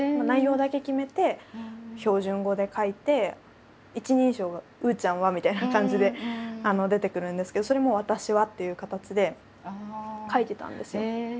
内容だけ決めて標準語で書いて一人称が「うーちゃんは」みたいな感じで出てくるんですけどそれも「私は」っていう形で書いてたんですよ。